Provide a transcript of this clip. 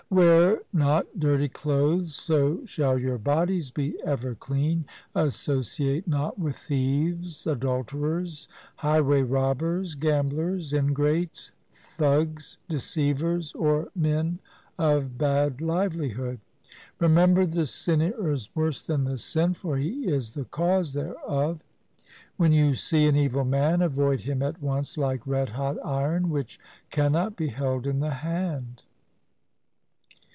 4 Wear not dirty clothes, so shall your bodies be ever clean. Associate not with thieves, adulterers, highway robbers, gamblers, ingrates, thags, deceivers, or men of bad livelihood. Remember the sinner is worse than the sin, for he is the cause thereof. LIFE OF GURU GOBIND SINGH 161 When you see an evil man, avoid him at once like red hot iron which cannot be held in the hand.